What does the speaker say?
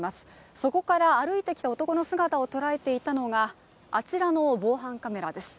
そこから歩いてきた男の姿を捉えていたのがあちらの防犯カメラです。